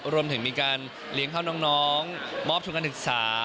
รวมถึงมีการเลี้ยงข้าวน้องมอบทุนการศึกษา